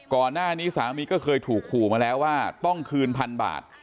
ก่อนหน้านี้สามีก็เคยถูกขู่มาแล้วว่าต้องคืนพันบาท